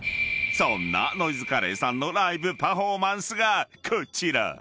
［そんなノイズカレーさんのライブパフォーマンスがこちら］